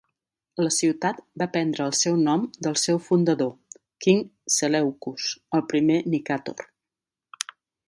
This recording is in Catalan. La ciutat va prendre el seu nom del seu fundador, King Seleucus, el primer Nicator.